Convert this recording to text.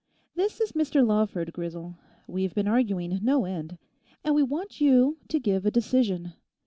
This is Mr Lawford, Grisel. We've been arguing no end. And we want you to give a decision.